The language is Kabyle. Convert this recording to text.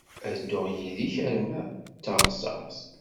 Ad dduɣ yid-k arma d taɣsert.